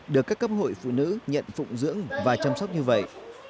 được các cấp hội phụ nữ nhận phụng dưỡng và chăm sóc như vậy